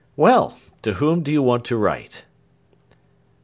"Well, to whom do you want to write?"